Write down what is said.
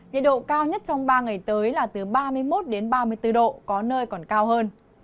nhiệt độ cao nhất trong ba ngày tới là từ ba mươi một đến ba mươi bốn độ có nơi còn cao hơn